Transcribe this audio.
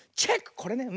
これね。